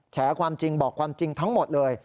แจความจริงบอกความจริงทั้งหมดเลย